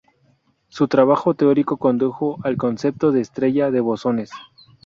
Su trabajo teórico condujo al concepto de estrella de bosones.